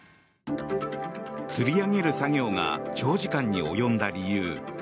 つり上げる作業が長時間に及んだ理由。